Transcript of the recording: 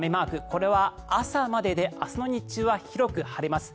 これは朝までで明日の日中は広く晴れます。